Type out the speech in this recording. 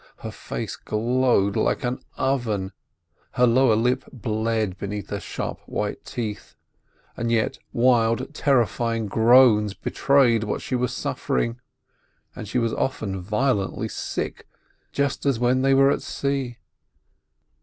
Her face glowed like an oven, her lower lip bled beneath her sharp white teeth, and yet wild, terrifying groans betrayed what she was suffering, and she was often violently sick, just as when they were on the sea.